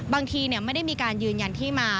บางทีไม่ได้มีการยืนยันที่มา